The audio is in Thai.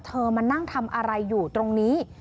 มานั่งทำอะไรอยู่ตรงนี้